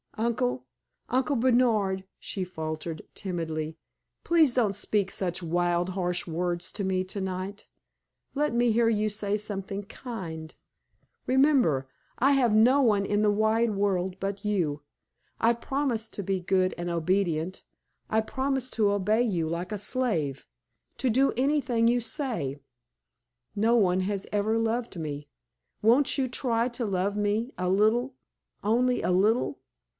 "Uncle Uncle Bernard," she faltered, timidly, "please don't speak such wild, harsh words to me tonight. Let me hear you say something kind. Remember, I have no one in the wide world but you. I promise to be good and obedient. I promise to obey you like a slave; to do anything you say. No one has ever loved me. Won't you try to love me a little only a little?